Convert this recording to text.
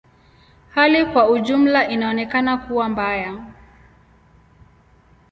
Hali kwa ujumla inaonekana kuwa mbaya.